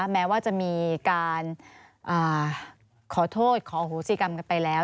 แม้ว่าจะมีการขอโทษขอโหสิกรรมกันไปแล้ว